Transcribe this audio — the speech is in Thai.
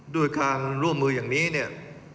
ด้วยการร่วมมืออย่างนี้เนี่ย